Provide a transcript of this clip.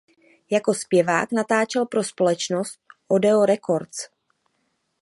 Jako zpěvák natáčel pro společnost Odeon Records.